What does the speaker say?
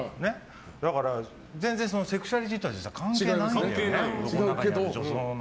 だから全然セクシャリティー的には関係ないの。